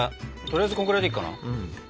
とりあえずこんくらいでいいかな？